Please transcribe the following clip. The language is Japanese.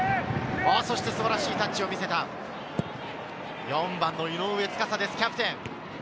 素晴らしいタッチを見せた４番の井上斗嵩です、キャプテン。